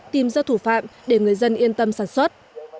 tìm ra thủ phạm để người dân yên tâm sản xuất